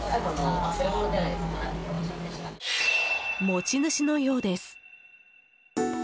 持ち主のようです。